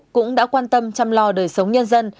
cũng đã quan tâm chăm lo đời sống nhân dân